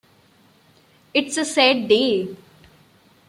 It's a sad day.